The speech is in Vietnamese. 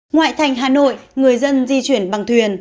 ngoại thành hà nội người dân di chuyển bằng thuyền